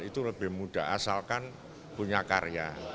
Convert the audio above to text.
itu lebih mudah asalkan punya karya